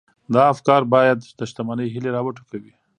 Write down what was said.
دا افکار بايد د شتمنۍ هيلې را وټوکوي.